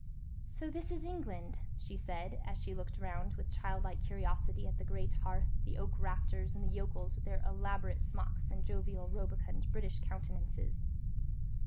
"So this is England," she said, as she looked round with childlike curiosity at the great open hearth, the oak rafters, and the yokels with their elaborate smocks and jovial, rubicund, British countenances.